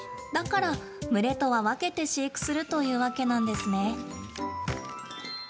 だから、群れとは分けて飼育するというわけなんですね。